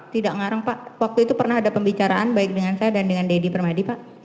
tidak ngarang pak waktu itu pernah ada pembicaraan baik dengan saya dan dengan deddy permadi pak